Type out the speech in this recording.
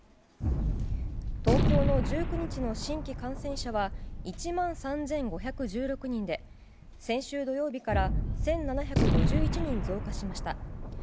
東京の１９日の新規感染者は１万３５１６人で先週土曜日から１７５１人増加しました。